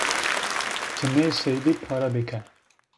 Ti nê seydî pare bike